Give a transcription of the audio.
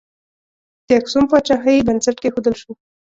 د اکسوم پاچاهۍ بنسټ کښودل شو.